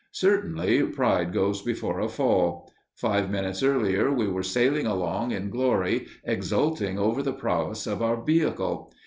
Certainly, pride goes before a fall. Five minutes earlier we were sailing along in glory, exulting over the prowess of our vehicle.